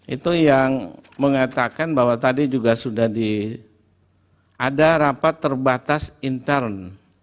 itu yang mengatakan bahwa tadi juga sudah ada rapat terbatas intern